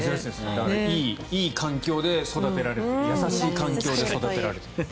だからいい環境で育てられている優しい環境で育てられている。